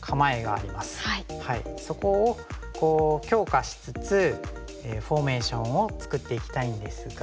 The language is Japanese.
そこを強化しつつフォーメーションを作っていきたいんですが。